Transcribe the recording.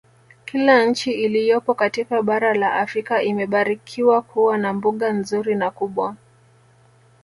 Kila nchi iliyopo katika bara la Afrika imebarikiwa kuwa na mbuga nzuri na kubwa